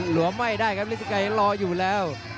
วมไม่ได้ครับฤทธิไกรรออยู่แล้ว